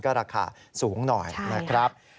ก็ราคาสูงหน่อยนะครับใช่ค่ะ